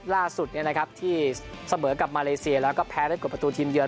ล่าสุดที่เสมอกับมาเลเซียแล้วก็แพ้ได้กดประตูทีมเยือ